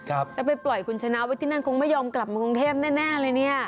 แล้วไปปล่อยคุณชนะไว้ที่นั่นคงไม่ยอมกลับมากรุงเทพแน่เลยเนี่ย